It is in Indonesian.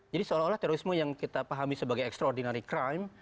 seolah olah terorisme yang kita pahami sebagai extraordinary crime